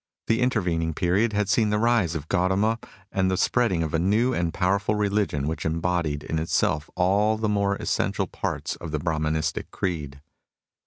The intervening period had seen the rise of Gautama and the spreading of a new and powerful religion which embodied in itself all the more essential parts of the Brahmanistic creed.